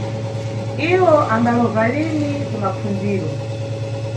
Iwo ambalova lini ku mapfundziro.